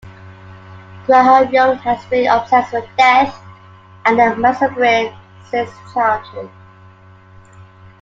Graham Young has been obsessed with death and the macabre since childhood.